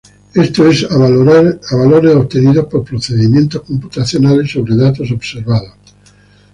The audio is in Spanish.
Esto es, a valores obtenidos por procedimientos computacionales sobre datos observados.